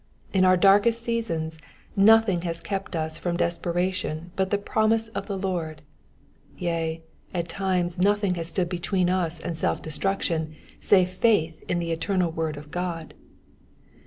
In our darkest seasons nothing has kept us from desperation but the promise of the Lord : yea, at times nothing has stood between us and self destruction save faith in the eternal word of God.